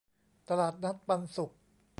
ตลาดนัดปันสุข